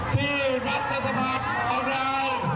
ที่รัฐสภาของเรา